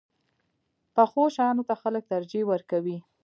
پخو شیانو ته خلک ترجیح ورکوي